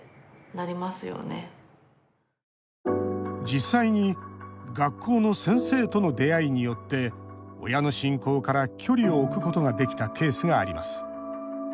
実際に学校の先生との出会いによって親の信仰から距離を置くことができたケースがあります。